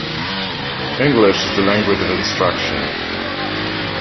English is the language of instruction.